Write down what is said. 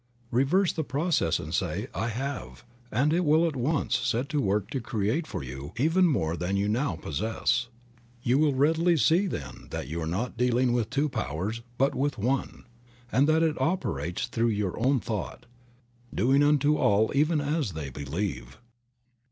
Reverse the process and say, "I have," and it will at once set to work to create for you even more than you now possess. You will readily see then that you are not dealing with two powers but with one, and that it operates through your own thought, doing unto all even as they believe.